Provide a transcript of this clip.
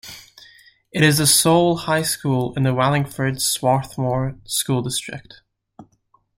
It is the sole high school in the Wallingford-Swarthmore School District.